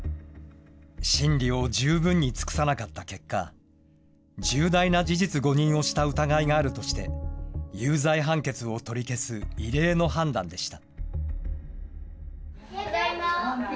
審理を十分に尽くさなかった結果、重大な事実誤認をした疑いがあるとして、有罪判決を取り消す異例の判断でした。